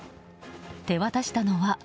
手渡したのは。